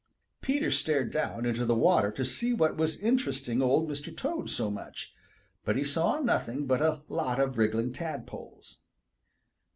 Peter stared down into the water to see what was interesting Old Mr. Toad so much, but he saw nothing but a lot of wriggling tadpoles.